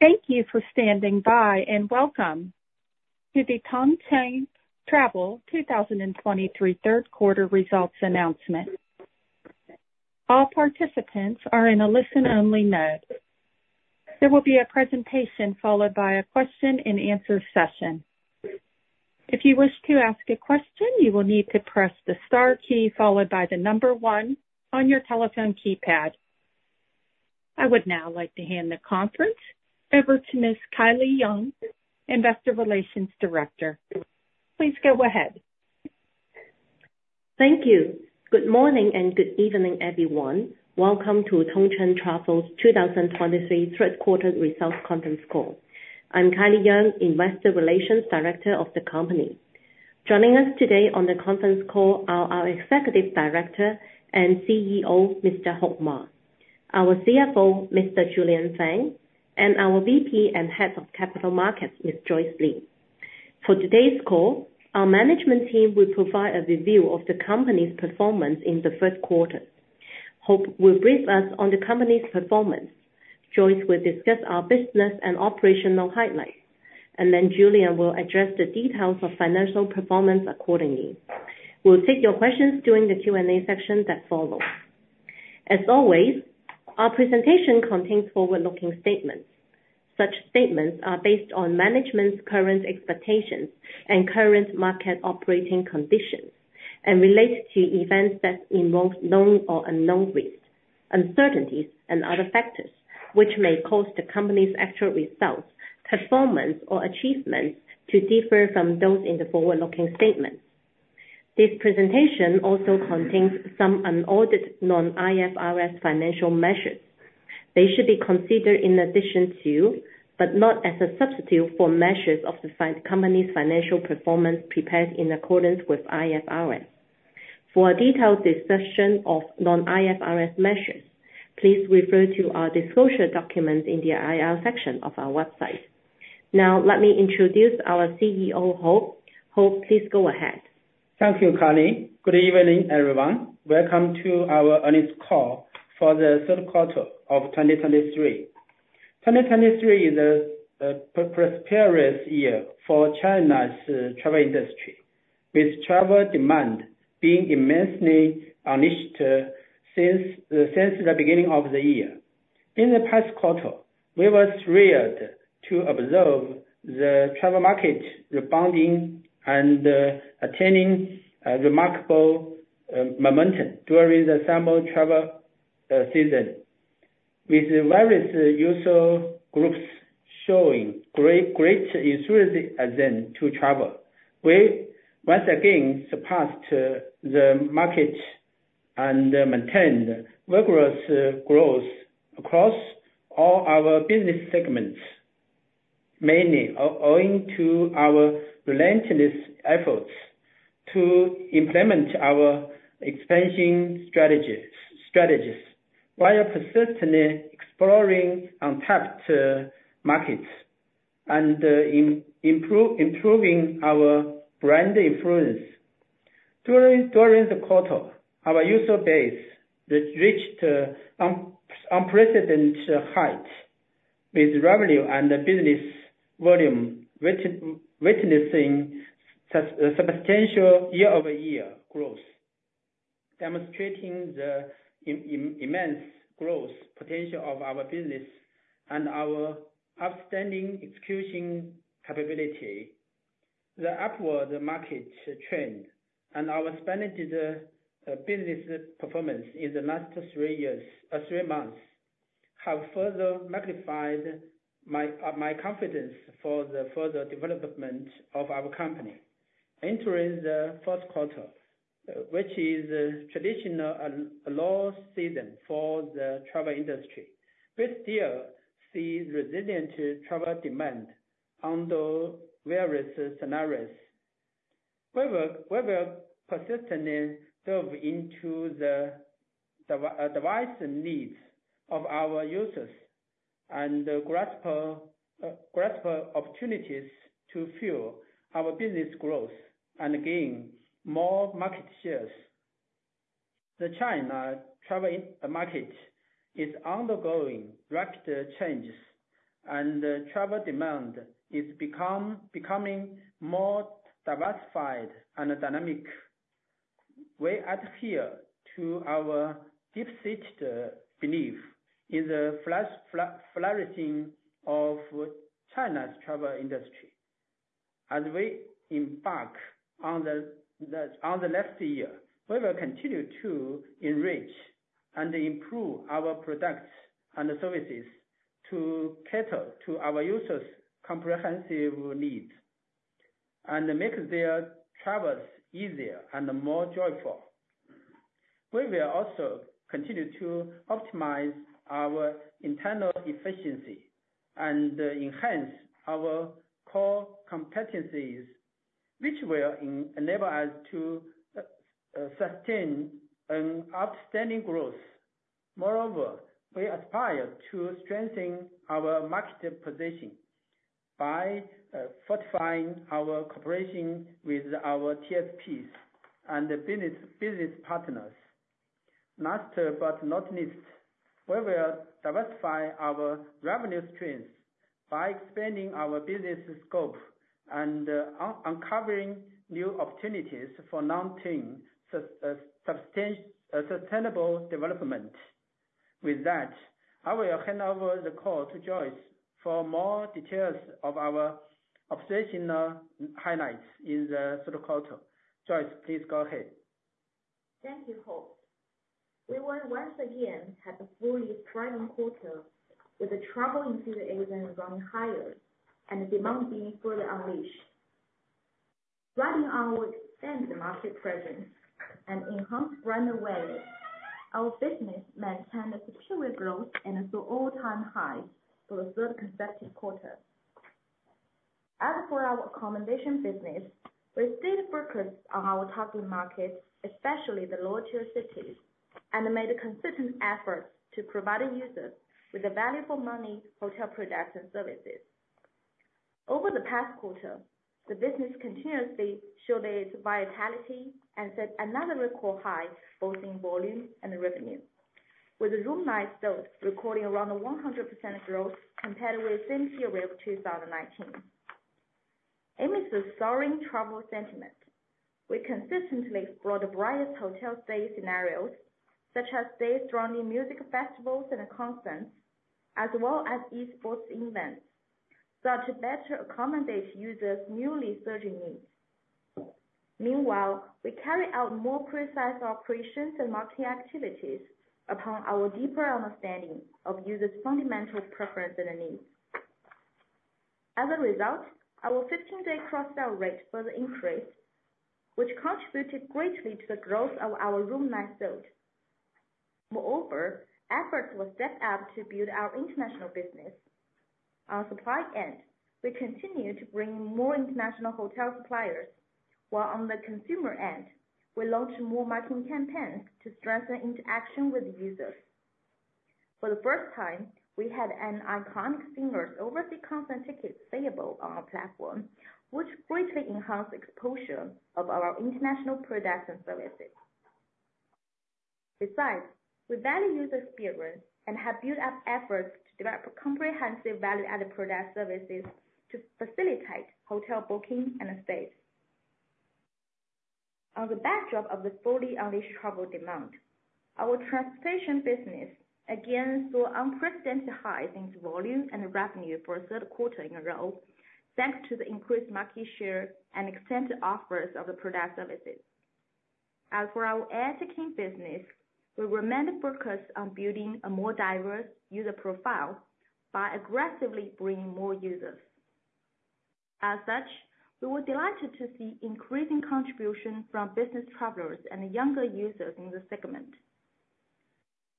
Thank you for standing by, and welcome to the Tongcheng Travel 2023 third quarter results announcement. All participants are in a listen only mode. There will be a presentation followed by a question and answer session. If you wish to ask a question, you will need to press the star key followed by the number one on your telephone keypad. I would now like to hand the conference over to Ms. Kylie Yeung, Investor Relations Director. Please go ahead. Thank you. Good morning and good evening, everyone. Welcome to Tongcheng Travel's 2023 third quarter results conference call. I'm Kylie Yeung, Investor Relations Director of the company. Joining us today on the conference call are our Executive Director and CEO, Mr. Heping Ma, our CFO, Mr. Julian Fan, and our VP and Head of Capital Markets, Ms. Joyce Li. For today's call, our management team will provide a review of the company's performance in the first quarter. Hope will brief us on the company's performance. Joyce will discuss our business and operational highlights, and then Julian will address the details of financial performance accordingly. We'll take your questions during the Q&A session that follows. As always, our presentation contains forward-looking statements. Such statements are based on management's current expectations and current market operating conditions, and relates to events that involve known or unknown risks, uncertainties and other factors, which may cause the company's actual results, performance or achievements to differ from those in the forward-looking statements. This presentation also contains some unaudited non-IFRS financial measures. They should be considered in addition to, but not as a substitute for, measures of the company's financial performance prepared in accordance with IFRS. For a detailed discussion of non-IFRS measures, please refer to our disclosure documents in the IR section of our website. Now, let me introduce our CEO, Hope. Hope, please go ahead. Thank you, Kylie. Good evening, everyone. Welcome to our earnings call for the third quarter of 2023. 2023 is a prosperous year for China's travel industry, with travel demand being immensely unleashed since the beginning of the year. In the past quarter, we were thrilled to observe the travel market rebounding and attaining a remarkable momentum during the summer travel season. With various user groups showing great enthusiasm again to travel, we once again surpassed the market and maintained vigorous growth across all our business segments. Mainly owing to our relentless efforts to implement our expansion strategies, while persistently exploring untapped markets and improving our brand influence. During the quarter, our user base has reached unprecedented heights, with revenue and business volume witnessing substantial year-over-year growth, demonstrating the immense growth potential of our business and our outstanding execution capability. The upward market trend and our splendid business performance in the last three months have further magnified my confidence for the further development of our company. Entering the fourth quarter, which is a traditional low season for the travel industry, we still see resilient travel demand under various scenarios. We will persistently dive into the diverse needs of our users and grasp opportunities to fuel our business growth and gain more market shares. The China travel market is undergoing rapid changes, and travel demand is becoming more diversified and dynamic. We adhere to our deep-seated belief in the flourishing of China's travel industry. As we embark on the next year, we will continue to enrich and improve our products and services to cater to our users' comprehensive needs, and make their travels easier and more joyful. We will also continue to optimize our internal efficiency and enhance our core competencies, which will enable us to sustain an outstanding growth. Moreover, we aspire to strengthen our market position by fortifying our cooperation with our TSPs and business partners. Last but not least, we will diversify our revenue streams by expanding our business scope and uncovering new opportunities for long-term sustainable development. With that, I will hand over the call to Joyce for more details of our operational highlights in the third quarter. Joyce, please go ahead. Thank you, Hope. We were once again at a fully thriving quarter with the travel enthusiasm running higher and demand being further unleashed. Riding on with extended market presence and enhanced brand awareness, our business maintained a superior growth and saw all-time highs for the third consecutive quarter. As for our accommodation business, we stayed focused on our target market, especially the lower tier cities, and made a consistent effort to provide users with a valuable money hotel products and services. Over the past quarter, the business continuously showed its vitality and set another record high, both in volume and revenue, with the room night sold recording around 100% growth compared with same period of 2019. Amidst the soaring travel sentiment, we consistently explored the various hotel stay scenarios, such as stay strong in music festivals and concerts, as well as e-sports events, so to better accommodate users' newly surging needs. Meanwhile, we carry out more precise operations and marketing activities upon our deeper understanding of users' fundamental preference and needs. As a result, our 15-day cross-sell rate further increased, which contributed greatly to the growth of our room night sold. Moreover, efforts were stepped up to build our international business. On supply end, we continued to bring more international hotel suppliers, while on the consumer end, we launched more marketing campaigns to strengthen interaction with users. For the first time, we had an iconic singer's overseas concert tickets sellable on our platform, which greatly enhanced the exposure of our international products and services. Besides, we value user experience and have built up efforts to develop a comprehensive value-added product services to facilitate hotel booking and stays. On the backdrop of the fully unleashed travel demand, our transportation business, again, saw unprecedented highs in its volume and revenue for a third quarter in a row, thanks to the increased market share and extended offers of the product services. As for our air ticketing business, we remained focused on building a more diverse user profile by aggressively bringing more users. As such, we were delighted to see increasing contribution from business travelers and younger users in the segment.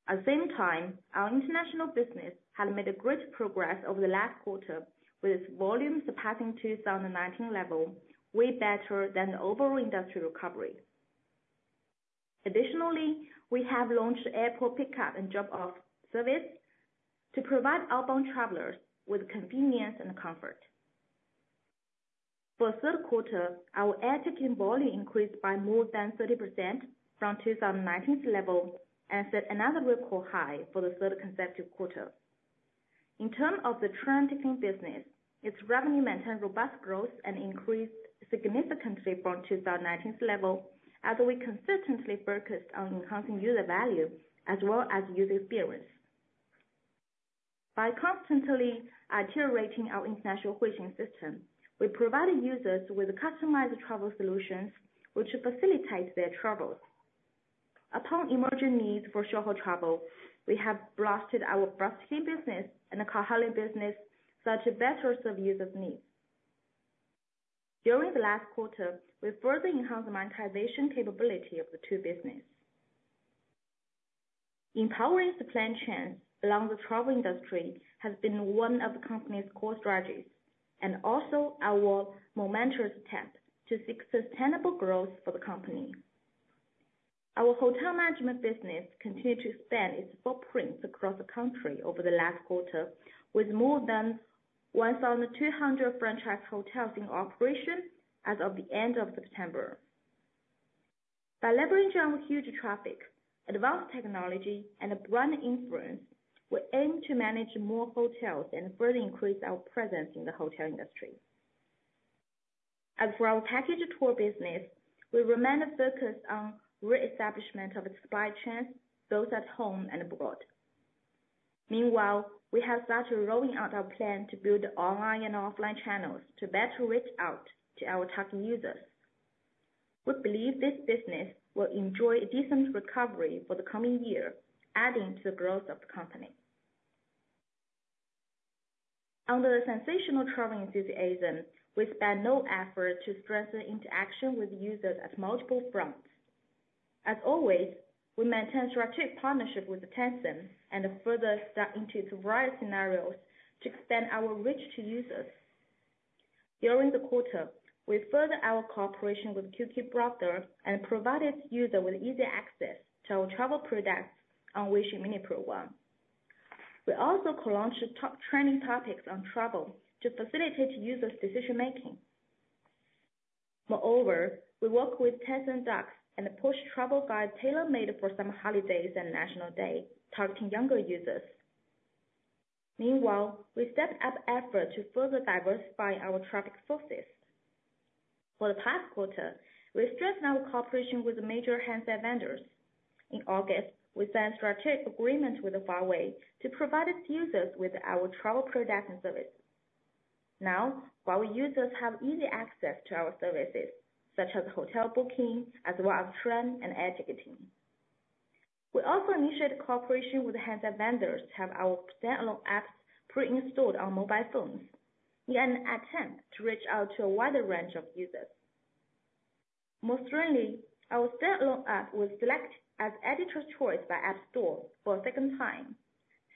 At the same time, our international business has made a great progress over the last quarter, with its volume surpassing 2019 level, way better than the overall industry recovery. Additionally, we have launched airport pickup and drop-off service to provide outbound travelers with convenience and comfort. For the third quarter, our air ticketing volume increased by more than 30% from 2019's level, and set another record high for the third consecutive quarter. In terms of the train ticketing business, its revenue maintained robust growth and increased significantly from 2019's level, as we consistently focused on enhancing user value as well as user experience. By constantly iterating our international Huixing system, we provided users with customized travel solutions, which facilitate their travels. Upon emerging needs for short-haul travel, we have boosted our bus ticketing business and the car hailing business, so to better serve users' needs. During the last quarter, we further enhanced the monetization capability of the two businesses. Empowering supply chains along the travel industry has been one of the company's core strategies, and also our momentous attempt to seek sustainable growth for the company. Our hotel management business continued to expand its footprint across the country over the last quarter, with more than 1,200 franchise hotels in operation as of the end of September. By leveraging on huge traffic, advanced technology and a brand influence, we aim to manage more hotels and further increase our presence in the hotel industry. As for our package tour business, we remained focused on re-establishment of the supply chains, both at home and abroad. Meanwhile, we have started rolling out our plan to build online and offline channels to better reach out to our target users. We believe this business will enjoy a decent recovery for the coming year, adding to the growth of the company. Under the sensational traveling enthusiasm, we spare no effort to strengthen interaction with users at multiple fronts. As always, we maintain strategic partnership with Tencent and further step into its various scenarios to extend our reach to users. During the quarter, we furthered our cooperation with QQ Browser and provided user with easy access to our travel products on WeChat Mini Program. We also co-launched top trending topics on travel to facilitate users' decision making. Moreover, we work with Tencent Video and push travel guide tailor-made for some holidays and National Day, targeting younger users. Meanwhile, we stepped up effort to further diversify our traffic sources. For the past quarter, we strengthened our cooperation with the major handset vendors. In August, we signed a strategic agreement with Huawei to provide its users with our travel product and services. Now, Huawei users have easy access to our services, such as hotel booking, as well as train and air ticketing. We also initiated cooperation with the handset vendors to have our standalone apps pre-installed on mobile phones in an attempt to reach out to a wider range of users. Most recently, our standalone app was selected as Editor's Choice by App Store for a second time,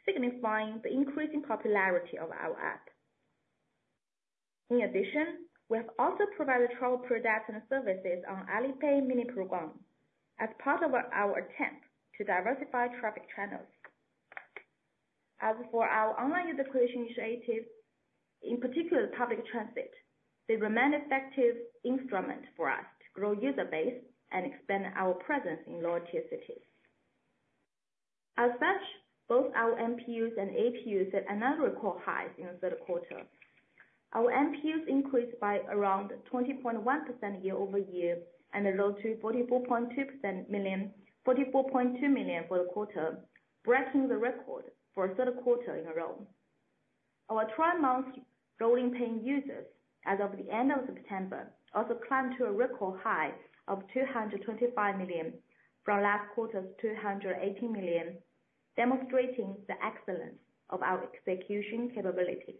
signifying the increasing popularity of our app. In addition, we have also provided travel products and services on Alipay Mini Program as part of our attempt to diversify traffic channels. As for our online user creation initiatives, in particular, public transit, they remain an effective instrument for us to grow user base and expand our presence in lower tier cities. As such, both our MPUs and APUs are at another record high in the third quarter. Our MPUs increased by around 20.1% year-over-year, and rose to 44.2 million for the quarter, breaking the record for a third quarter in a row. Our trailing twelve-month rolling paying users as of the end of September also climbed to a record high of 225 million from last quarter's 280 million, demonstrating the excellence of our execution capabilities.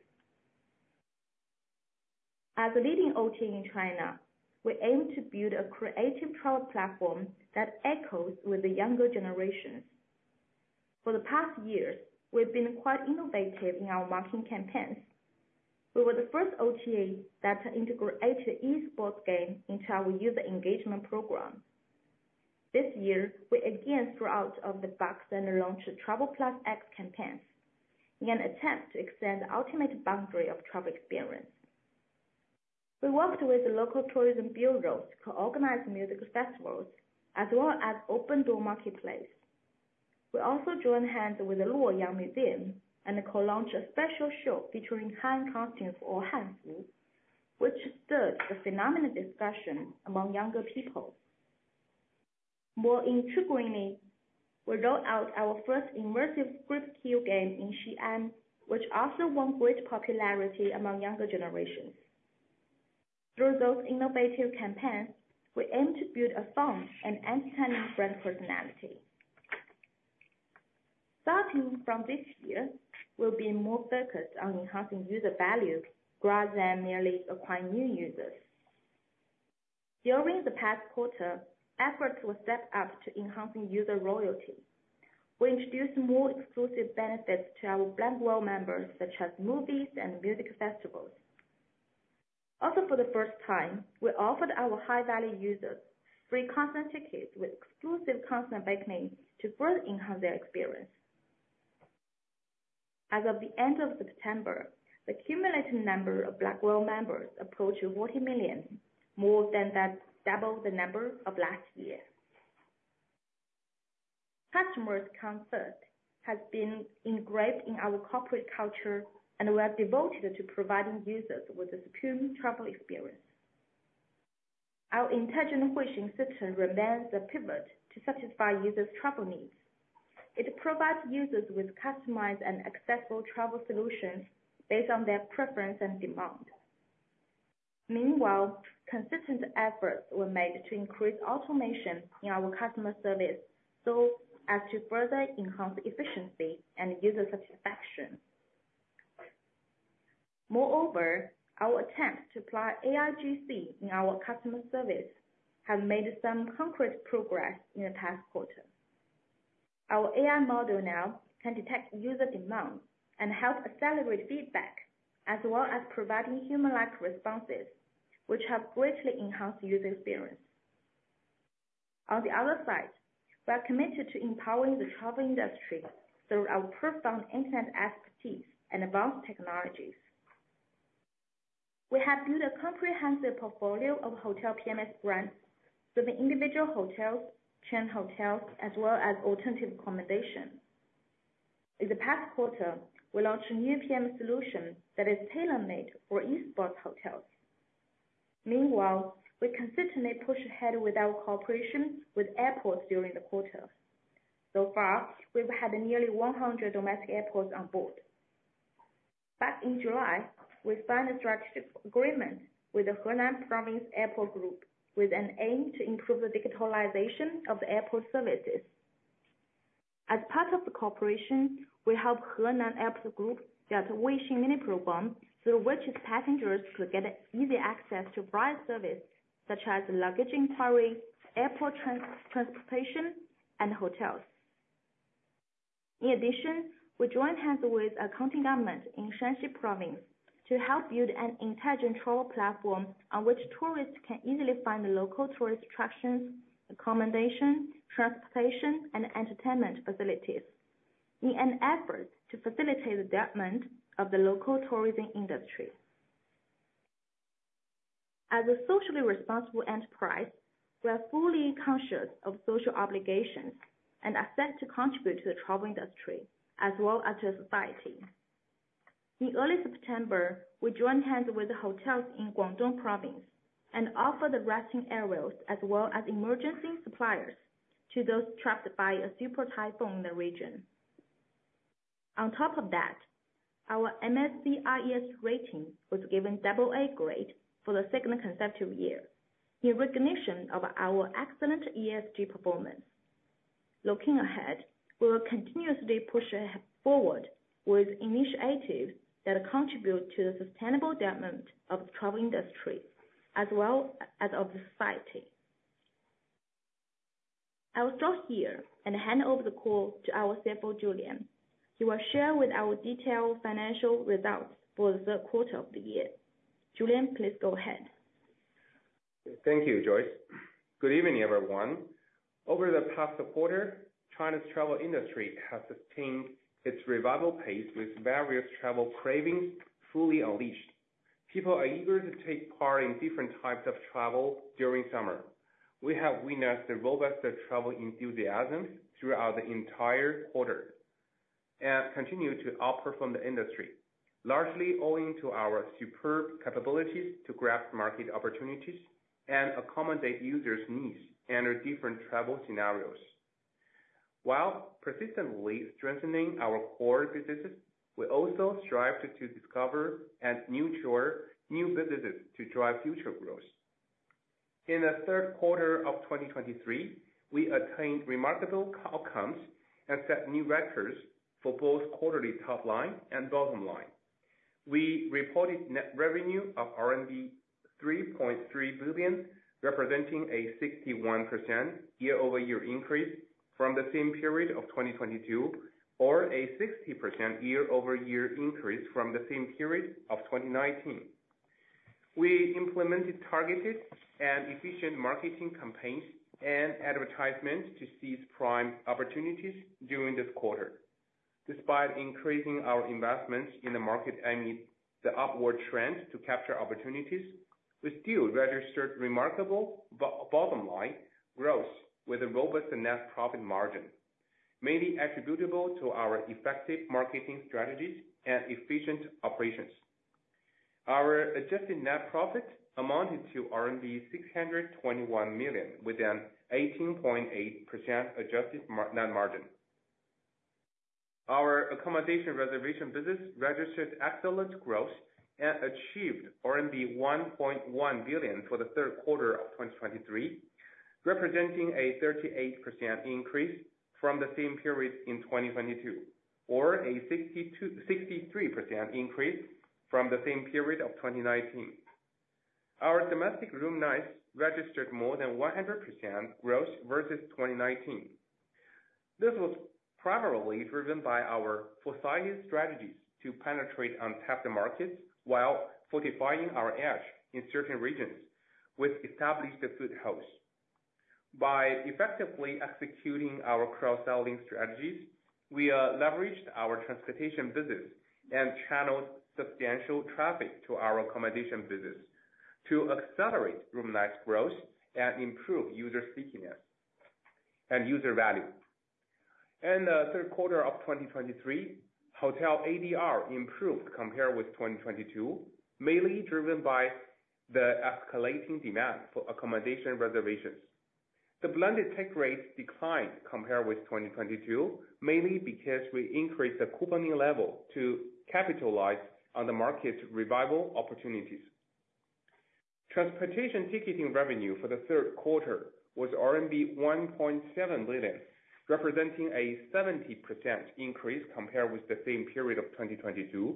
As a leading OTA in China, we aim to build a creative travel platform that echoes with the younger generation. For the past years, we've been quite innovative in our marketing campaigns. We were the first OTA that integrated e-sports game into our user engagement program. This year, we again thought outside the box and launched Travel Plus X campaigns in an attempt to extend the ultimate boundary of travel experience. We worked with the local tourism bureaus to organize music festivals as well as open door marketplace. We also joined hands with the Luoyang Museum and co-launched a special show featuring Han costumes or Hanfu, which stirred a phenomenal discussion among younger people. More intriguingly, we rolled out our first immersive script kill game in Xi'an, which also won great popularity among younger generations. Through those innovative campaigns, we aim to build a fun and entertaining brand personality. Starting from this year, we'll be more focused on enhancing user value rather than merely acquiring new users. During the past quarter, efforts were stepped up to enhancing user loyalty. We introduced more exclusive benefits to our Black Whale members, such as movies and music festivals. Also, for the first time, we offered our high-value users free concert tickets with exclusive concert balcony to further enhance their experience. As of the end of September, the cumulative number of Black Whale members approached 40 million, more than double the number of last year. Customer centricity has been engraved in our corporate culture, and we are devoted to providing users with a supreme travel experience. Our intelligent Huixing system remains the pivot to satisfy users' travel needs. It provides users with customized and accessible travel solutions based on their preference and demand. Meanwhile, consistent efforts were made to increase automation in our customer service, so as to further enhance efficiency and user satisfaction. Moreover, our attempts to apply AIGC in our customer service have made some concrete progress in the past quarter. Our AI model now can detect user demand and help accelerate feedback, as well as providing human-like responses, which have greatly enhanced user experience. On the other side, we are committed to empowering the travel industry through our profound internet expertise and advanced technologies. We have built a comprehensive portfolio of hotel PMS brands, serving individual hotels, chain hotels, as well as alternative accommodation. In the past quarter, we launched a new PMS solution that is tailor-made for e-sports hotels. Meanwhile, we consistently pushed ahead with our cooperation with airports during the quarter. So far, we've had nearly 100 domestic airports on board. Back in July, we signed a strategic agreement with the Henan Province Airport Group, with an aim to improve the digitalization of the airport services. As part of the cooperation, we helped Henan Airport Group get a Weixin Mini Program, through which passengers could get easy access to vital services, such as luggage inquiry, airport transportation, and hotels. In addition, we joined hands with a county government in Shanxi Province to help build an intelligent travel platform on which tourists can easily find local tourist attractions, accommodation, transportation, and entertainment facilities, in an effort to facilitate the development of the local tourism industry. As a socially responsible enterprise, we are fully conscious of social obligations and assets to contribute to the travel industry as well as to society. In early September, we joined hands with the hotels in Guangdong Province and offered the resting areas as well as emergency supplies to those trapped by a super typhoon in the region. On top of that, our MSCI ESG rating was given double A grade for the second consecutive year, in recognition of our excellent ESG performance. Looking ahead, we will continuously push ahead forward with initiatives that contribute to the sustainable development of the travel industry, as well as of society. I will stop here and hand over the call to our CFO, Julian. He will share with our detailed financial results for the third quarter of the year. Julian, please go ahead. Thank you, Joyce. Good evening, everyone. Over the past quarter, China's travel industry has sustained its revival pace with various travel cravings fully unleashed. People are eager to take part in different types of travel during summer. We have witnessed a robust travel enthusiasm throughout the entire quarter and continue to outperform the industry, largely owing to our superb capabilities to grasp market opportunities and accommodate users' needs and their different travel scenarios. While persistently strengthening our core businesses, we also strive to discover and nurture new businesses to drive future growth. In the third quarter of 2023, we attained remarkable outcomes and set new records for both quarterly top line and bottom line. We reported net revenue of 3.3 billion, representing a 61% year-over-year increase from the same period of 2022, or a 60% year-over-year increase from the same period of 2019. We implemented targeted and efficient marketing campaigns and advertisements to seize prime opportunities during this quarter. Despite increasing our investments in the market and the upward trend to capture opportunities, we still registered remarkable bottom line growth with a robust net profit margin, mainly attributable to our effective marketing strategies and efficient operations. Our adjusted net profit amounted to 621 million, with an 18.8% adjusted net margin. Our accommodation reservation business registered excellent growth and achieved RMB 1.1 billion for the third quarter of 2023, representing a 38% increase from the same period in 2022, or a 62%-63% increase from the same period of 2019. Our domestic room nights registered more than 100% growth versus 2019. This was primarily driven by our foresight strategies to penetrate untapped markets, while fortifying our edge in certain regions with established footholds. By effectively executing our cross-selling strategies, we leveraged our transportation business and channeled substantial traffic to our accommodation business to accelerate room nights growth and improve user stickiness and user value. In the third quarter of 2023, hotel ADR improved compared with 2022, mainly driven by the escalating demand for accommodation reservations. The blended take rate declined compared with 2022, mainly because we increased the couponing level to capitalize on the market's revival opportunities. Transportation ticketing revenue for the third quarter was RMB 1.7 billion, representing a 70% increase compared with the same period of 2022,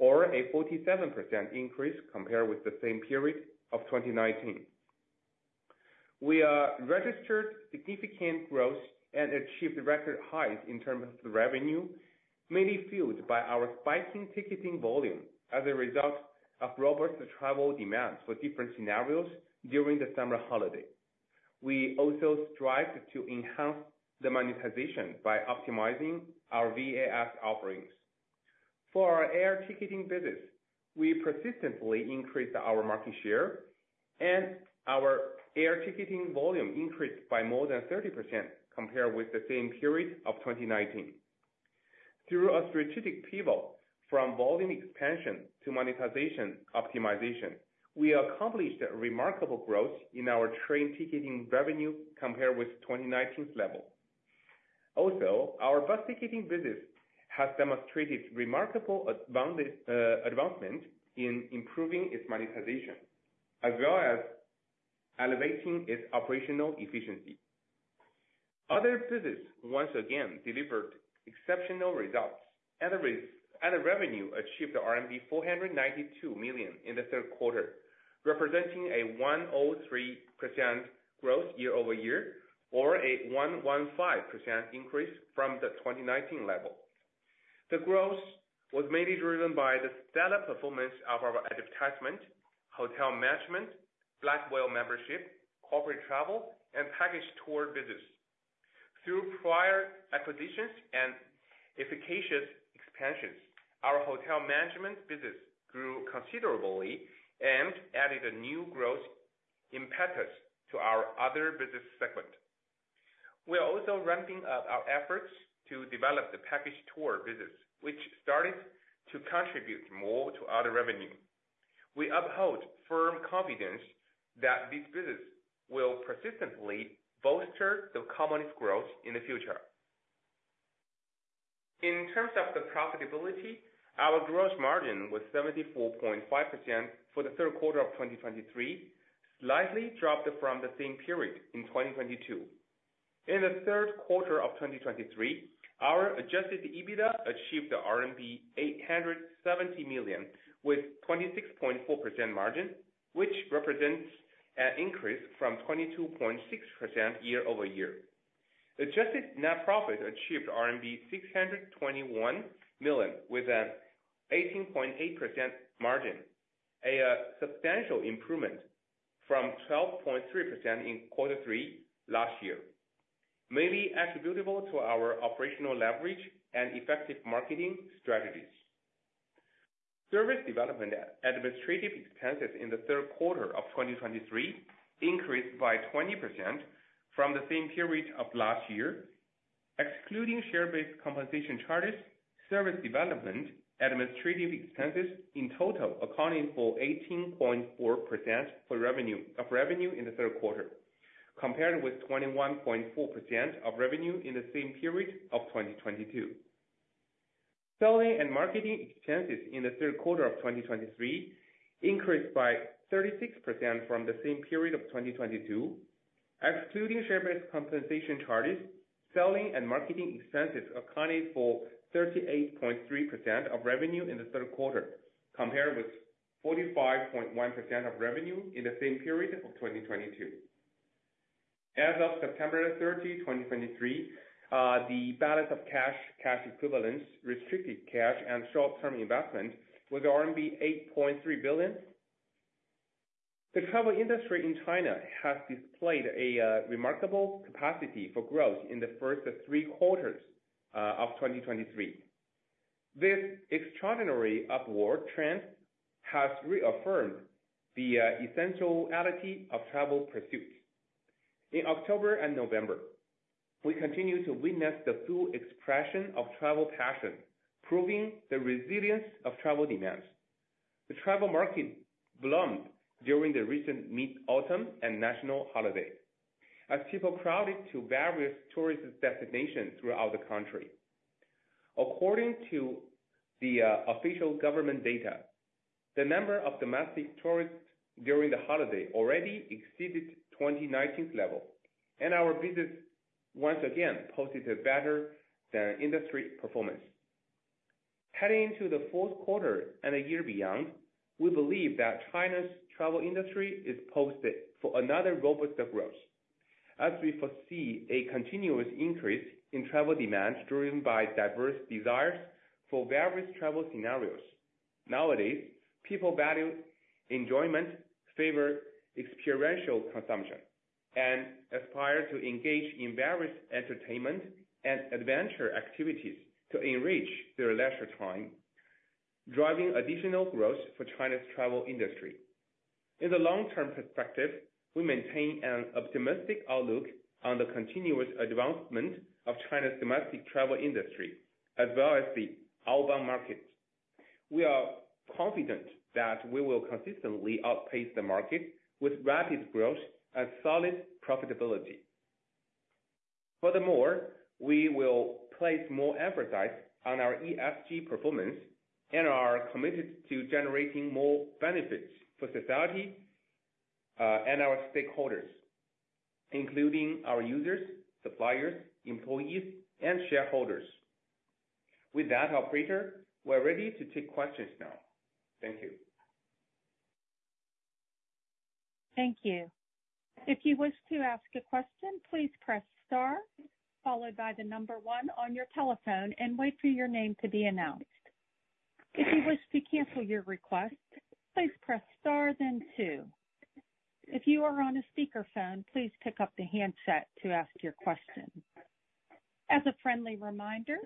or a 47% increase compared with the same period of 2019. We registered significant growth and achieved record highs in terms of the revenue, mainly fueled by our spiking ticketing volume as a result of robust travel demand for different scenarios during the summer holiday. We also strived to enhance the monetization by optimizing our VAS offerings. For our air ticketing business, we persistently increased our market share, and our air ticketing volume increased by more than 30% compared with the same period of 2019. Through a strategic pivot from volume expansion to monetization optimization, we accomplished a remarkable growth in our train ticketing revenue compared with 2019's level. Also, our bus ticketing business has demonstrated remarkable abundant advancement in improving its monetization, as well as elevating its operational efficiency. Other business once again delivered exceptional results, and the revenue achieved RMB 492 million in the third quarter, representing a 103% growth year-over-year, or a 115% increase from the 2019 level. The growth was mainly driven by the stellar performance of our advertisement, hotel management, Black Whale membership, corporate travel, and package tour business. Through prior acquisitions and efficacious expansions, our hotel management business grew considerably and added a new growth impetus to our other business segment. We are also ramping up our efforts to develop the package tour business, which started to contribute more to other revenue. We uphold firm confidence that this business will persistently bolster the company's growth in the future. In terms of the profitability, our growth margin was 74.5% for the third quarter of 2023, slightly dropped from the same period in 2022. In the third quarter of 2023, our adjusted EBITDA achieved RMB 870 million, with 26.4% margin, which represents an increase from 22.6% year-over-year. Adjusted net profit achieved RMB 621 million, with an 18.8% margin, a substantial improvement from 12.3% in quarter three last year, mainly attributable to our operational leverage and effective marketing strategies. Service development administrative expenses in the third quarter of 2023 increased by 20% from the same period of last year. Excluding share-based compensation charges, service development, administrative expenses in total accounting for 18.4% for revenue, of revenue in the third quarter, compared with 21.4% of revenue in the same period of 2022. Selling and marketing expenses in the third quarter of 2023 increased by 36% from the same period of 2022. Excluding share-based compensation charges, selling and marketing expenses accounted for 38.3% of revenue in the third quarter, compared with 45.1% of revenue in the same period of 2022. As of September 30, 2023, the balance of cash, cash equivalents, restricted cash and short-term investment was RMB 8.3 billion. The travel industry in China has displayed a remarkable capacity for growth in the first three quarters of 2023. This extraordinary upward trend has reaffirmed the essentiality of travel pursuits. In October and November, we continue to witness the full expression of travel passion, proving the resilience of travel demands. The travel market bloomed during the recent mid-autumn and national holiday, as people crowded to various tourist destinations throughout the country. According to the official government data, the number of domestic tourists during the holiday already exceeded 2019's level, and our business once again posted a better than industry performance. Heading into the fourth quarter and a year beyond, we believe that China's travel industry is posted for another robust growth, as we foresee a continuous increase in travel demands driven by diverse desires for various travel scenarios. Nowadays, people value enjoyment, favor experiential consumption, and aspire to engage in various entertainment and adventure activities to enrich their leisure time, driving additional growth for China's travel industry. In the long-term perspective, we maintain an optimistic outlook on the continuous advancement of China's domestic travel industry, as well as the outbound market. We are confident that we will consistently outpace the market with rapid growth and solid profitability. Furthermore, we will place more emphasis on our ESG performance and are committed to generating more benefits for society, and our stakeholders, including our users, suppliers, employees, and shareholders. With that, operator, we're ready to take questions now. Thank you. Thank you. If you wish to ask a question, please press star, followed by the number 1 on your telephone, and wait for your name to be announced. If you wish to cancel your request, please press star then 2. If you are on a speakerphone, please pick up the handset to ask your question. As a friendly reminder,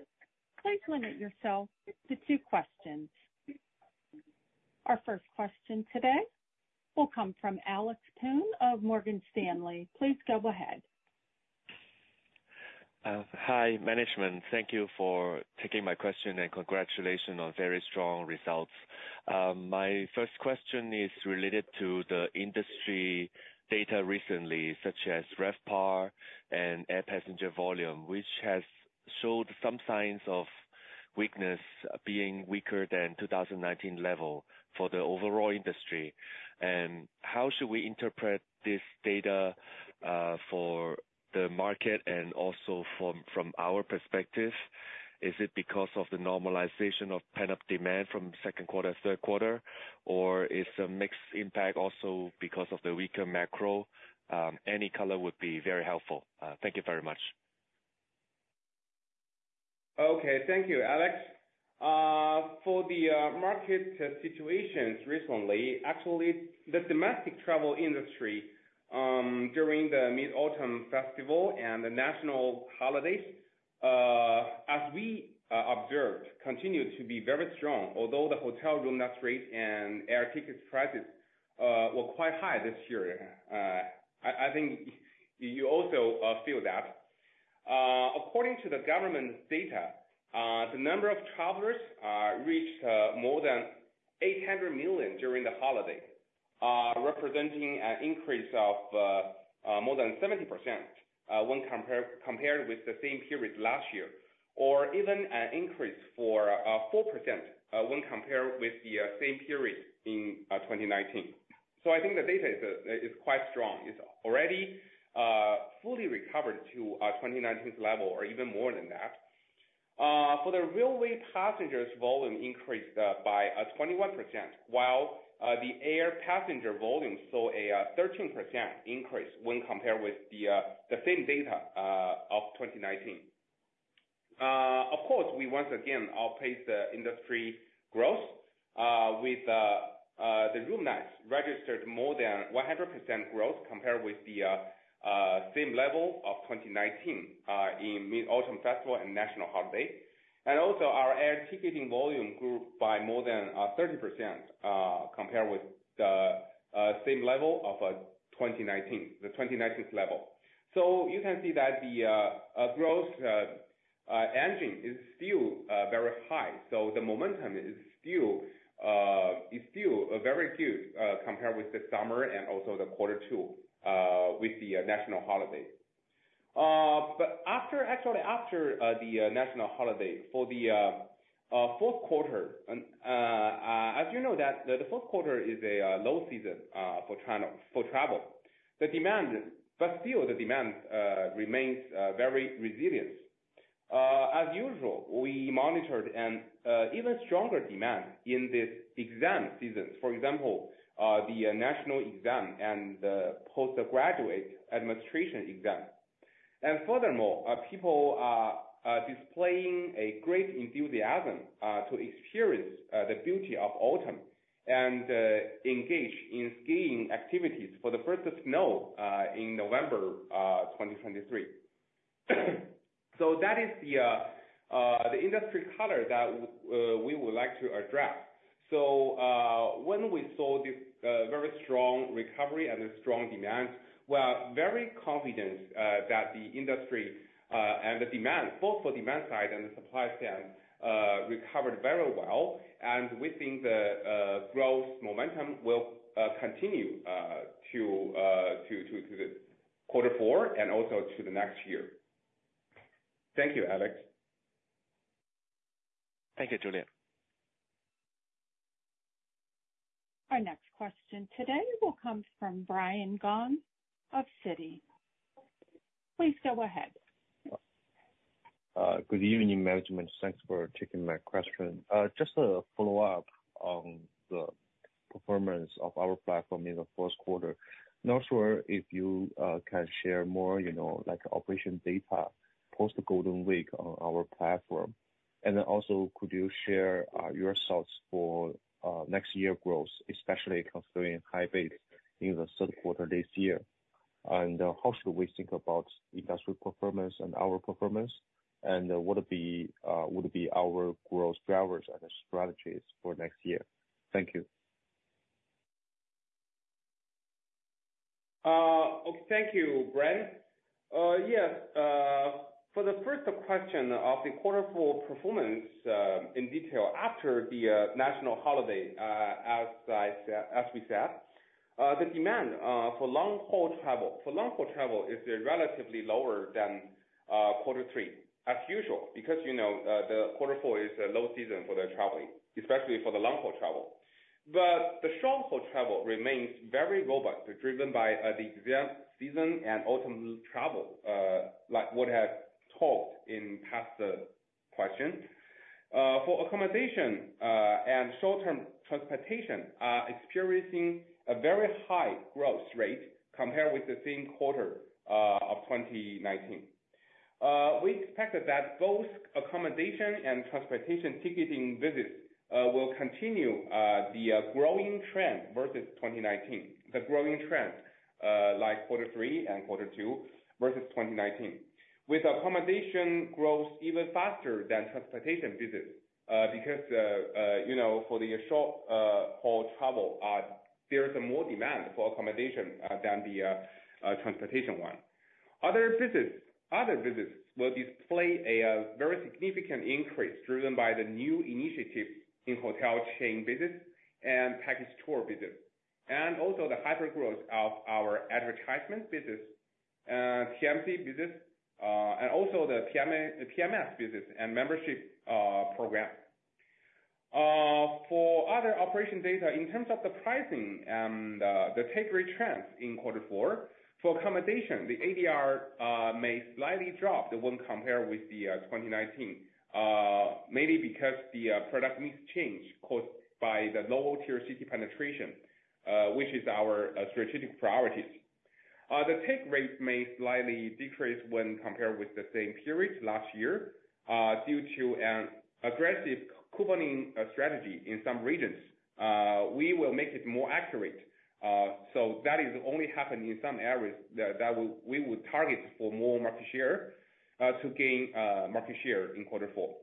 please limit yourself to two questions. Our first question today will come from Alex Poon of Morgan Stanley. Please go ahead. Hi, management. Thank you for taking my question and congratulations on very strong results. My first question is related to the industry data recently, such as RevPAR and air passenger volume, which has showed some signs of weakness, being weaker than 2019 level for the overall industry. How should we interpret this data, for the market and also from our perspective? Is it because of the normalization of pent-up demand from second quarter to third quarter? Or is a mixed impact also because of the weaker macro? Any color would be very helpful. Thank you very much.... Okay, thank you, Alex. For the market situations recently, actually, the domestic travel industry during the Mid-Autumn Festival and the national holidays, as we observed, continued to be very strong although the hotel room nights rate and air tickets prices were quite high this year. I think you also feel that. According to the government's data, the number of travelers reached more than 800 million during the holiday, representing an increase of more than 70% when compared with the same period last year, or even an increase of 4% when compared with the same period in 2019. So I think the data is quite strong. It's already fully recovered to 2019's level or even more than that. For the railway passengers, volume increased by 21%, while the air passenger volume saw a 13% increase when compared with the same data of 2019. Of course, we once again outpaced the industry growth with the room nights registered more than 100% growth compared with the same level of 2019 in Mid-Autumn Festival and national holiday. And also our air ticketing volume grew by more than 30% compared with the same level of 2019, the 2019 level. So you can see that the growth engine is still very high. So the momentum is still very huge compared with the summer and also the quarter two with the national holiday. But after, actually after, the national holiday for the fourth quarter, and, as you know, that the fourth quarter is a low season for China, for travel. The demand... But still the demand remains very resilient. As usual, we monitored an even stronger demand in this exam seasons. For example, the national exam and the postgraduate administration exam. And furthermore, people are displaying a great enthusiasm to experience the beauty of autumn and engage in skiing activities for the first snow in November 2023. So that is the industry color that we would like to address. So, when we saw this very strong recovery and a strong demand, we are very confident that the industry and the demand, both for demand side and the supply side, recovered very well, and we think the growth momentum will continue to quarter four and also to the next year. Thank you, Alex. Thank you, Julian. Our next question today will come from Brian Gong of Citi. Please go ahead. Good evening, management. Thanks for taking my question. Just a follow-up on the performance of our platform in the first quarter. Not sure if you can share more, you know, like operation data, post Golden Week on our platform. And then also, could you share your thoughts for next year growth, especially considering high base in the third quarter this year? And how should we think about industrial performance and our performance? And what are the what would be our growth drivers and strategies for next year? Thank you. Okay. Thank you, Brian. Yes, for the first question of the quarter four performance in detail after the national holiday, as I said, as we said, the demand for long-haul travel is relatively lower than quarter three, as usual, because, you know, the quarter four is a low season for the traveling, especially for the long-haul travel. But the short-haul travel remains very robust, driven by the exam season and autumn travel, like what I had told in past questions. For accommodation and short-term transportation are experiencing a very high growth rate compared with the same quarter of 2019. We expect that both accommodation and transportation ticketing visits will continue the growing trend versus 2019. The growing trend, like quarter three and quarter two versus 2019. With accommodation growth even faster than transportation visits, because, you know, for the short haul travel, there is more demand for accommodation than the transportation one. Other visits, other visits will display a very significant increase driven by the new initiatives in hotel chain visits and package tour visits, and also the hypergrowth of our advertisement visits, TMC visits, and also the PMS visits and membership program. For other operation data, in terms of the pricing and the Take Rate trends in quarter four, for accommodation, the ADR may slightly drop the one compared with the 2019. Mainly because the product needs change caused by the lower tier city penetration, which is our strategic priorities. The take rate may slightly decrease when compared with the same period last year, due to an aggressive couponing strategy in some regions. We will make it more accurate. So that is only happening in some areas that we would target for more market share to gain market share in quarter four.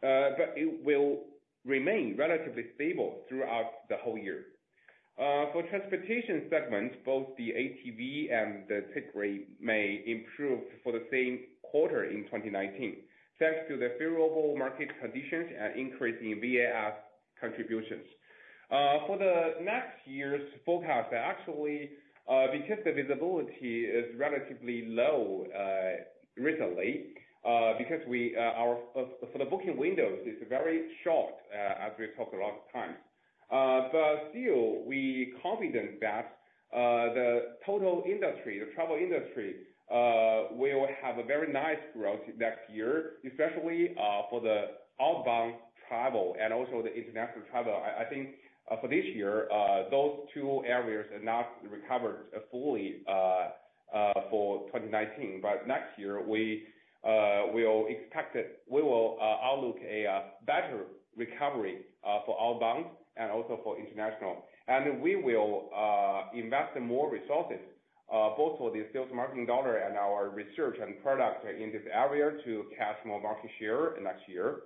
But it will remain relatively stable throughout the whole year. For transportation segment, both the ATV and the take rate may improve for the same quarter in 2019, thanks to the favorable market conditions and increase in VAS contributions. For the next year's forecast, actually, because the visibility is relatively low, recently, because we, for the booking windows is very short, as we talked a lot of time. But still, we confident that, the total industry, the travel industry, will have a very nice growth next year, especially, for the outbound travel and also the international travel. I think, for this year, those two areas are not recovered, fully, for 2019. But next year we will expect it... We will outlook a better recovery, for outbound and also for international. And we will invest in more resources, both for the sales marketing dollar and our research and product in this area to catch more market share next year.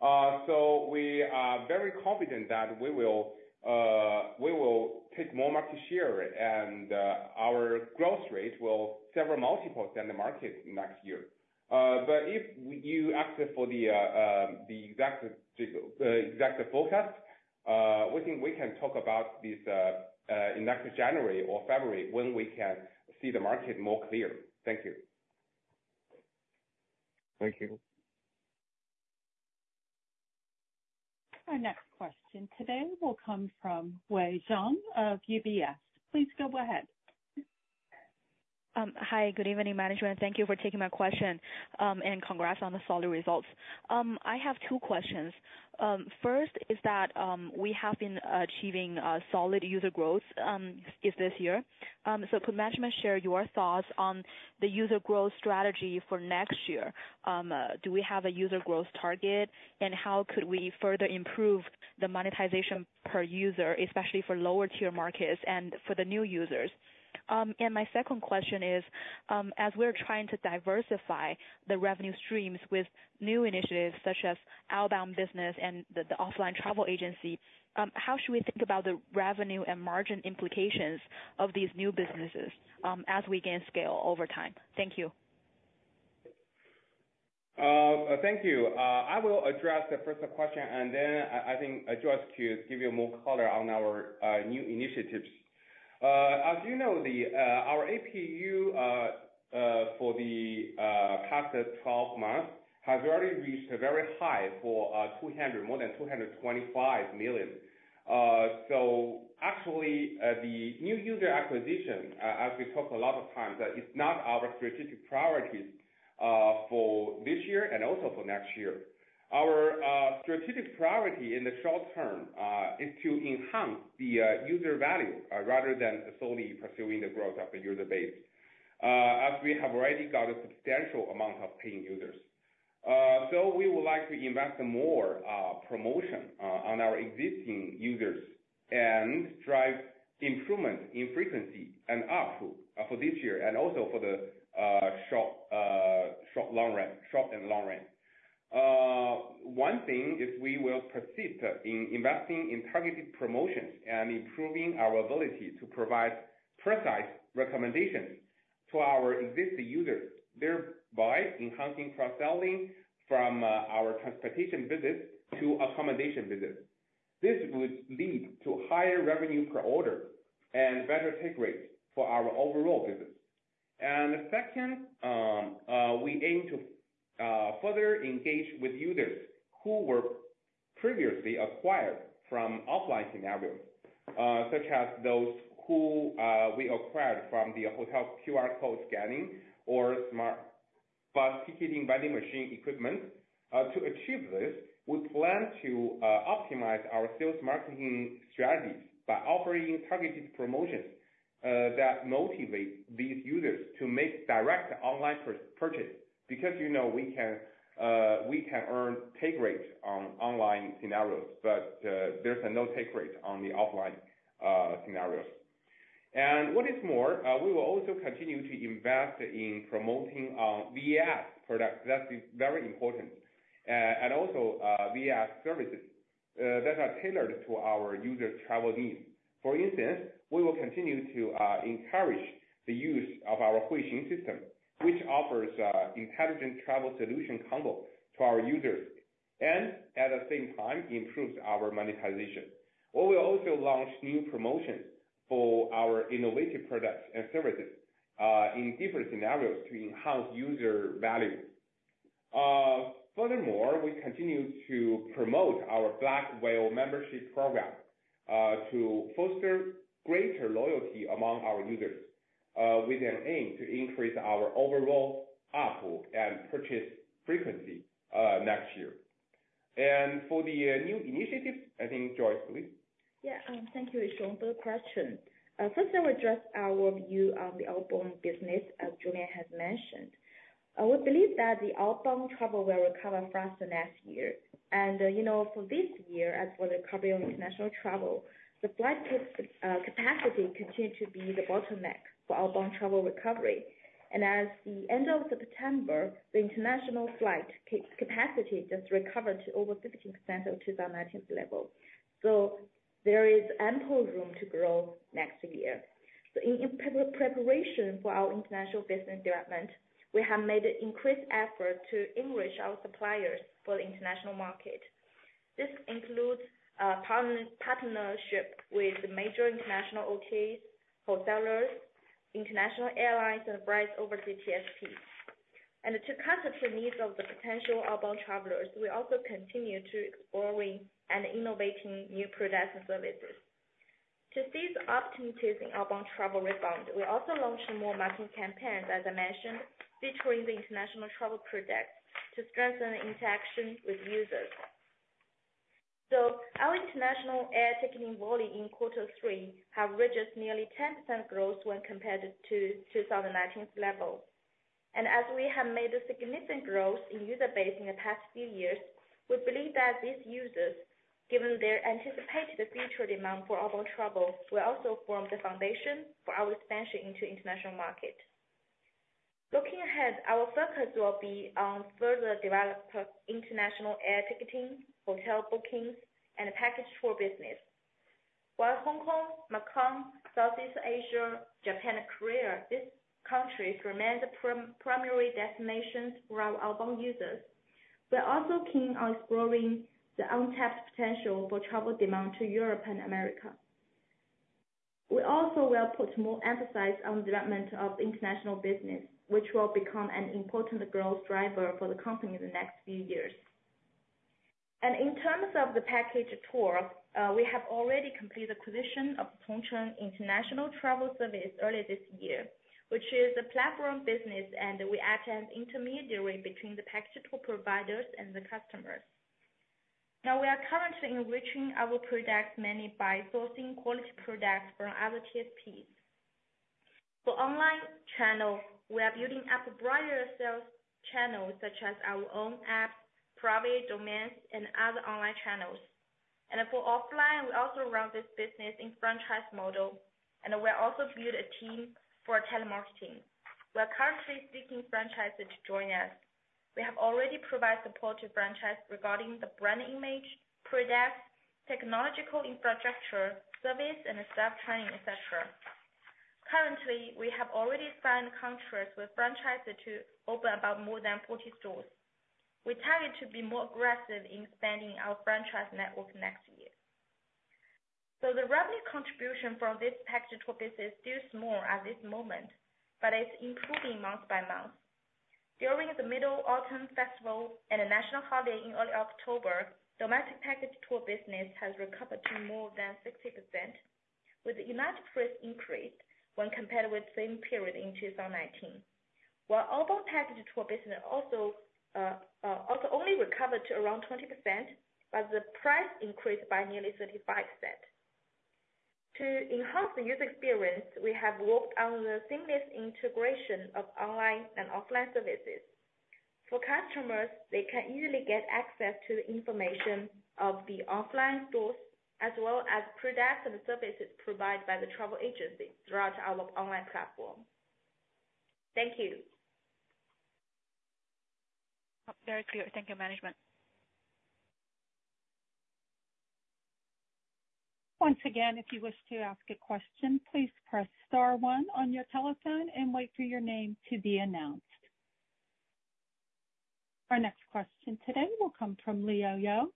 So we are very confident that we will take more market share, and our growth rate will several multiples than the market next year. But if you ask for the exact forecast, we can talk about this in next January or February, when we can see the market more clear. Thank you. Thank you. Our next question today will come from Wei Xiong of UBS. Please go ahead. Hi, good evening, management. Thank you for taking my question. Congrats on the solid results. I have two questions. First is that we have been achieving solid user growth in this year. Could management share your thoughts on the user growth strategy for next year? Do we have a user growth target? And how could we further improve the monetization per user, especially for lower tier markets and for the new users? And my second question is, as we're trying to diversify the revenue streams with new initiatives such as outbound business and the offline travel agency, how should we think about the revenue and margin implications of these new businesses, as we gain scale over time? Thank you. Thank you. I will address the first question, and then I think address to give you more color on our new initiatives. As you know, our APU for the past 12 months has already reached a very high for 200, more than 225 million. So actually, the new user acquisition, as we talked a lot of times, that is not our strategic priority for this year and also for next year. Our strategic priority in the short term is to enhance the user value rather than solely pursuing the growth of the user base, as we have already got a substantial amount of paying users. So we would like to invest more promotion on our existing users and drive improvement in frequency and output for this year and also for the short and long run. One thing is we will persist in investing in targeted promotions and improving our ability to provide precise recommendations to our existing users, thereby enhancing cross-selling from our transportation business to accommodation business. This would lead to higher revenue per order and better take rates for our overall business. And second, we aim to further engage with users who were previously acquired from offline scenarios, such as those who we acquired from the hotel QR code scanning or smart bus ticketing vending machine equipment. To achieve this, we plan to optimize our sales marketing strategies by offering targeted promotions that motivate these users to make direct online purchase. Because, you know, we can, we can earn take rates on online scenarios, but there's no take rate on the offline scenarios. And what is more, we will also continue to invest in promoting VAS products. That is very important. And also, VAS services that are tailored to our users' travel needs. For instance, we will continue to encourage the use of our Huixing system, which offers intelligent travel solution combo to our users, and at the same time, improves our monetization. We will also launch new promotions for our innovative products and services in different scenarios to enhance user value. Furthermore, we continue to promote our Black Whale membership program to foster greater loyalty among our users. ... with an aim to increase our overall ARPU and purchase frequency, next year. And for the, new initiative, I think Joyce, please. Yeah, thank you, Yixiong, for the question. First, I will address our view on the outbound business, as Julian has mentioned. I would believe that the outbound travel will recover faster next year. And, you know, for this year, as for the recovery of international travel, the flight capacity continue to be the bottleneck for outbound travel recovery. And as of the end of September, the international flight capacity just recovered to over 15% of 2019 level. So there is ample room to grow next year. So in preparation for our international business development, we have made an increased effort to enrich our suppliers for the international market. This includes partnership with major international OTAs, wholesalers, international airlines, and providers over TSP. To cater to the needs of the potential outbound travelers, we also continue to exploring and innovating new products and services. To seize the opportunities in outbound travel rebound, we also launched more marketing campaigns, as I mentioned, featuring the international travel products to strengthen the interaction with users. So our international air ticketing volume in quarter three have reached nearly 10% growth when compared to 2019's level. And as we have made a significant growth in user base in the past few years, we believe that these users, given their anticipated future demand for outbound travel, will also form the foundation for our expansion into international market. Looking ahead, our focus will be on further develop international air ticketing, hotel bookings, and package tour business. While Hong Kong, Macau, Southeast Asia, Japan, and Korea, these countries remain the primary destinations for our outbound users, we are also keen on exploring the untapped potential for travel demand to Europe and America. We also will put more emphasis on development of international business, which will become an important growth driver for the company in the next few years. In terms of the package tour, we have already completed the acquisition of Tongcheng International Travel Service early this year, which is a platform business, and we act as intermediary between the package tour providers and the customers. Now, we are currently enriching our products mainly by sourcing quality products from other TSPs. For online channels, we are building up a broader sales channels, such as our own apps, private domains, and other online channels. For offline, we also run this business in franchise model, and we're also building a team for telemarketing. We are currently seeking franchisees to join us. We have already provided support to franchisees regarding the brand image, products, technological infrastructure, service, and staff training, etc. Currently, we have already signed contracts with franchisees to open about more than 40 stores. We target to be more aggressive in expanding our franchise network next year. So the revenue contribution from this package tour business is still small at this moment, but it's improving month by month. During the Mid-Autumn Festival and a national holiday in early October, domestic package tour business has recovered to more than 60%, with the unit price increased when compared with the same period in 2019. While outbound package tour business also only recovered to around 20%, but the price increased by nearly 35%. To enhance the user experience, we have worked on the seamless integration of online and offline services. For customers, they can easily get access to the information of the offline stores, as well as products and services provided by the travel agency throughout our online platform. Thank you. Very clear. Thank you, management. Once again, if you wish to ask a question, please press star one on your telephone and wait for your name to be announced. Our next question today will come from Leo You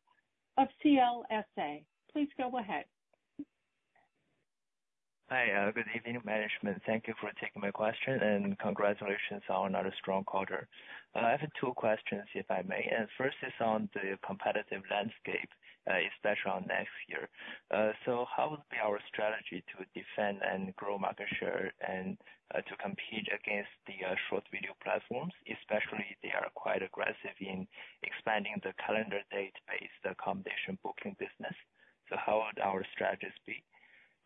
of CLSA. Please go ahead. Hi, good evening, management. Thank you for taking my question, and congratulations on another strong quarter. I have two questions, if I may. First is on the competitive landscape, especially on next year. So how would be our strategy to defend and grow market share and, to compete against the, short video platforms, especially they are quite aggressive in expanding the calendar date-based accommodation booking business. So how would our strategies be?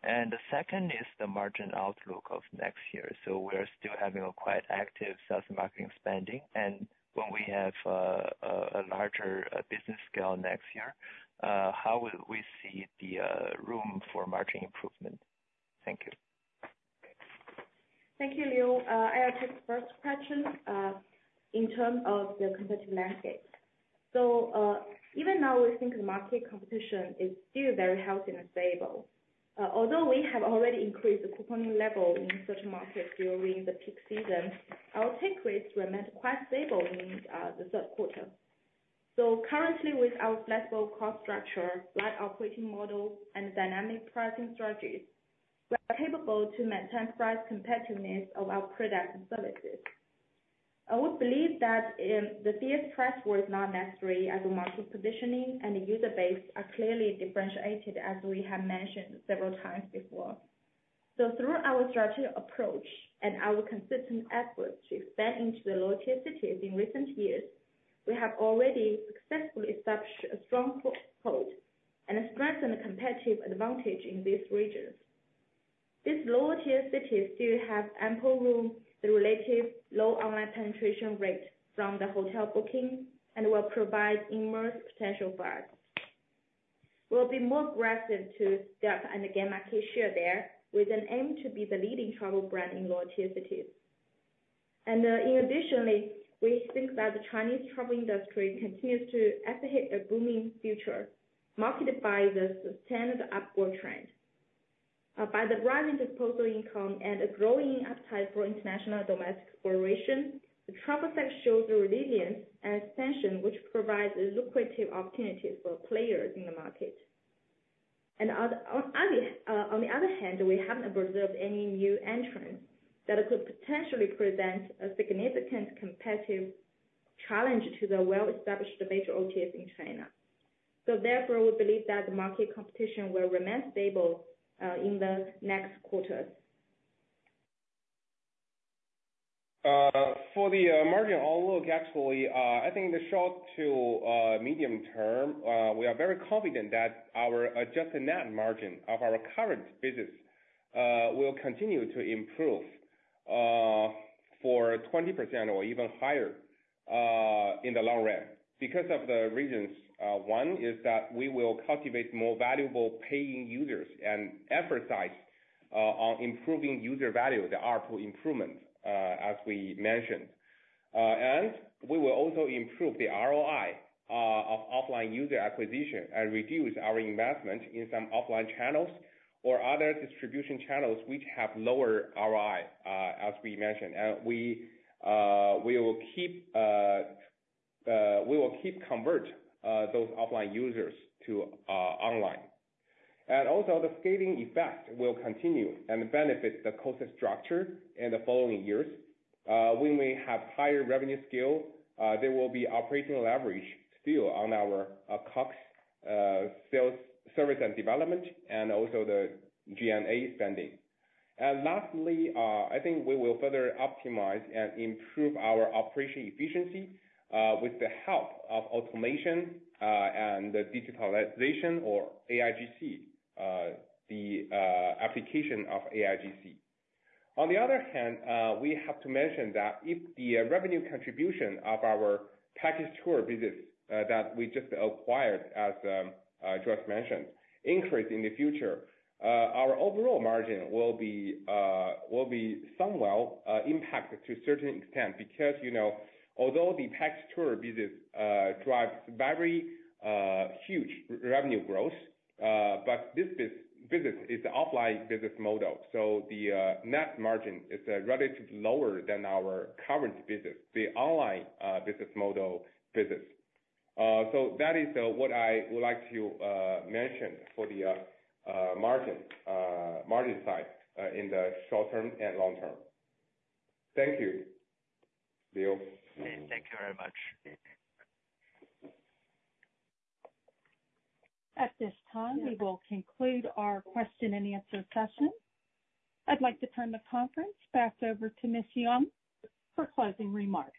And the second is the margin outlook of next year. So we're still having a quite active sales and marketing spending, and when we have, a larger, business scale next year, how would we see the, room for margin improvement? Thank you. Thank you, Leo. I'll take the first question, in terms of the competitive landscape. So, even now, we think the market competition is still very healthy and stable. Although we have already increased the couponing level in certain markets during the peak season, our take rates remained quite stable in the third quarter. So currently, with our flexible cost structure, light operating model, and dynamic pricing strategies, we are capable to maintain price competitiveness of our products and services. I would believe that in the CS price war is not necessary as the market positioning and the user base are clearly differentiated, as we have mentioned several times before. So through our strategic approach and our consistent efforts to expand into the lower tier cities in recent years, we have already successfully established a strong foothold and strengthened the competitive advantage in these regions. These lower tier cities still have ample room, the relative low online penetration rate from the hotel booking, and will provide enormous potential for us. We'll be more aggressive to step and gain market share there with an aim to be the leading travel brand in lower tier cities. Additionally, we think that the Chinese travel industry continues to activate a booming future, marked by the sustained upward trend. By the rising disposable income and a growing appetite for international domestic exploration, the travel sector shows a resilience and expansion, which provides lucrative opportunities for players in the market. On the other hand, we haven't observed any new entrants that could potentially present a significant competitive challenge to the well-established major OTAs in China. Therefore, we believe that the market competition will remain stable in the next quarters. For the margin outlook, actually, I think the short to medium term, we are very confident that our adjusted net margin of our current business will continue to improve for 20% or even higher in the long run because of the reasons. One is that we will cultivate more valuable paying users and emphasize on improving user value, the R2 improvement, as we mentioned. And we will also improve the ROI of offline user acquisition and reduce our investment in some offline channels or other distribution channels which have lower ROI, as we mentioned. And we will keep convert those offline users to online. And also the scaling effect will continue and benefit the cost structure in the following years. When we have higher revenue scale, there will be operational leverage still on our cost, sales, service and development, and also the G&A spending. Lastly, I think we will further optimize and improve our operational efficiency with the help of automation, and the digitalization or AIGC, the application of AIGC. On the other hand, we have to mention that if the revenue contribution of our package tour business that we just acquired, as George mentioned, increase in the future, our overall margin will be, will be somewhat impacted to a certain extent, because, you know, although the package tour business drives very huge revenue growth, but this business is an offline business model. The net margin is relatively lower than our current business, the online business model business. So that is what I would like to mention for the margin margin side in the short term and long term. Thank you. Bill? Thank you very much. At this time, we will conclude our question and answer session. I'd like to turn the conference back over to Miss Yeung for closing remarks.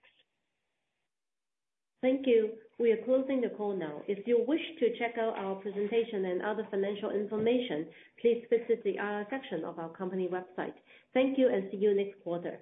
Thank you. We are closing the call now. If you wish to check out our presentation and other financial information, please visit the IR section of our company website. Thank you, and see you next quarter.